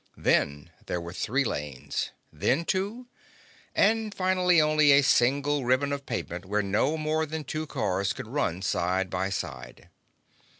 Then there were three lanes, and then two, and finally only a single ribbon of pavement where no more than two cars could run side by side.